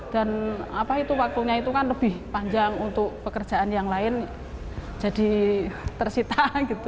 dan waktunya itu kan lebih panjang untuk pekerjaan yang lain jadi tersita